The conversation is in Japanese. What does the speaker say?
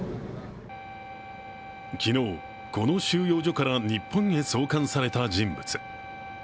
昨日、この収容所から日本へ送還された人物。